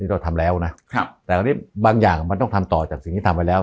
เราทำแล้วนะครับแต่วันนี้บางอย่างมันต้องทำต่อจากสิ่งที่ทำไว้แล้ว